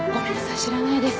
知らないです。